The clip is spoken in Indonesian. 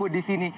pemilu di sini